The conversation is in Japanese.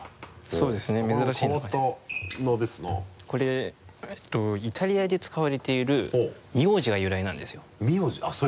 これイタリアで使われている名字が由来なんですよ。